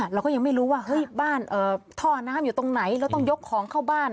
เราก็ยังไม่รู้ว่าเฮ้ยบ้านท่อน้ำอยู่ตรงไหนเราต้องยกของเข้าบ้าน